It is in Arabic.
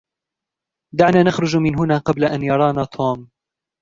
دعنا نخرج من هنا قبل أن يرانا توم.